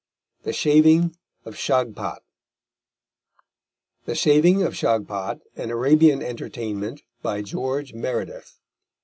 THE SHAVING OF SHAGPAT THE SHAVING OF SHAGPAT. _An Arabian Entertainment. By George Meredith.